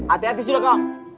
ate ate sudah kawan